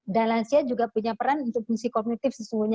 dalam usia juga punya peran untuk fungsi kognitif sesungguhnya